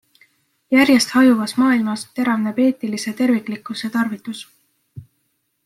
Järjest hajuvas maailmas teravneb eetilise terviklikkuse tarvidus.